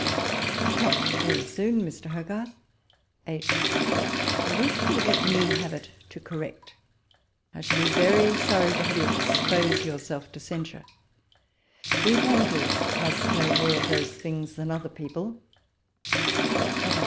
W. Not very soon, Mr. Hogarth. H. I wish you would let me have it to correct ; I should be very sorry to have you expose yourself to censure ; we painters must know more of those things than 82 WALPOLE S LETTERS. other people.